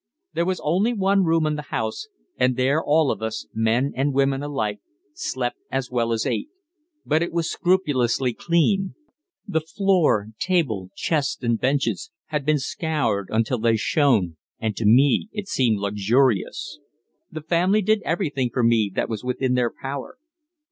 There was only one room in the house, and there all of us, men and women alike, slept as well as ate; but it was scrupulously clean the floor, table, chests and benches had been scoured until they shone and to me it seemed luxurious. The family did everything for me that was within their power.